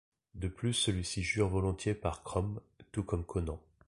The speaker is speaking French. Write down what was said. De plus celui-ci jure volontiers par Crom, tout comme Conan.